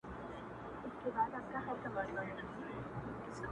ما جوړ كړي په قلاوو كي غارونه-